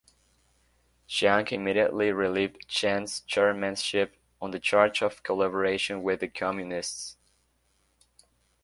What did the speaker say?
Chiang immediately relieved Chen's chairmanship on the charge of collaboration with the Communists.